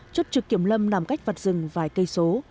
chốt trực kiểm lâm nằm cách vặt rừng vài cây số